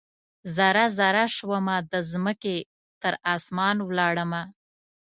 ذره ، ذره شومه د مځکې، تراسمان ولاړمه